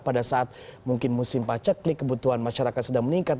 pada saat mungkin musim paceklik kebutuhan masyarakat sedang meningkat